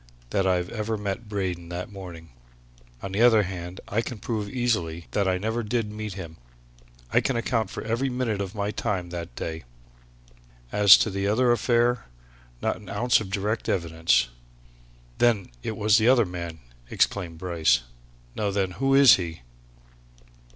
that I ever met Braden that morning. On the other hand, I can prove, easily, that I never did meet him; I can account for every minute of my time that day. As to the other affair not an ounce of direct evidence!" "Then it was the other man!" exclaimed Bryce. "Now then, who is he?"